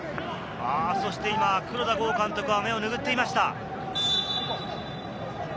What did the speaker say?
今、黒田剛監督は目を拭っていました。